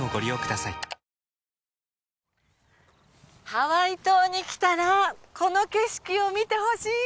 ⁉ハワイ島に来たら、この景色を見てほしい！